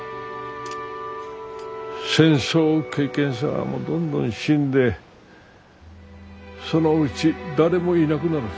戦争経験者もどんどん死んでそのうち誰もいなくなる。